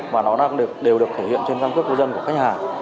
và nó đều được thể hiện trên căn cước của dân của khách hàng